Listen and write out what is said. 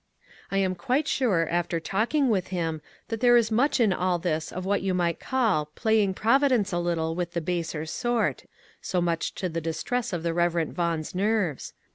I am quite sure after talking with him that there is much in all this of what you might call ^^ playing Providence a little with the baser sort " (so much to the distress of the Rev. Vaughan's nerves).